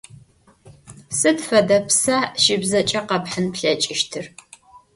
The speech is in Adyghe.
Сыд фэдэ пса щыбзэкӀэ къэпхьын плъэкӀыщтыр?